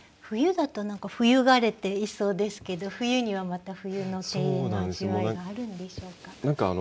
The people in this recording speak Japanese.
冬だと何か冬枯れていそうですけど冬にはまた冬の庭園の味わいがあるんでしょうか。